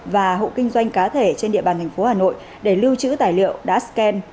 và hộ kinh doanh cá thể trên địa bàn tp hà nội để lưu trữ tài liệu đã scan